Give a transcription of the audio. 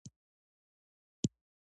د جنګ او نفرت کډې په بارېدو ښکاري